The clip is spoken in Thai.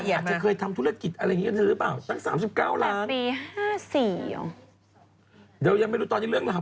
อาจจะเคยทำธุรกิจอะไรอย่างนี้กับเธอหรือเปล่า